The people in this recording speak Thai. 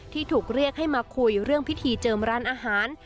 ที่ถูกเรียกให้มาคุยเรื่องพิธีเจิมร้านอาหาร